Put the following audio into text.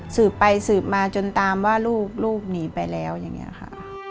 สืบไปสืบมาจนตามว่าลูกหนีไปแล้วอย่างนี้ค่ะ